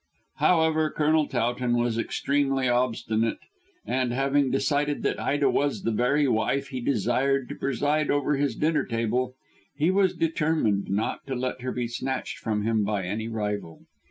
However, Colonel Towton was extremely obstinate, and, having decided that Ida was the very wife he desired to preside over his dinner table, he was determined not to let her be snatched from him by any rival.